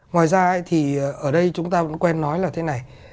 ngoài ra thì ở đây chúng ta cũng quen nói là thế này